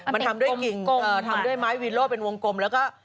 มันทำด้วยกิ่งทำด้วยไม้วีโล่เป็นวงกลมแล้วก็